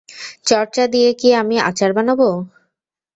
চর্চা দিয়ে কি আমি আচার বানাবো?